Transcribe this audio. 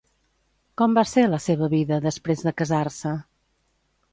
Com va ser, la seva vida, després de casar-se?